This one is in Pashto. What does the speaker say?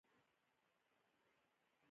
خوبونه او هیلې تصادفي نه دي.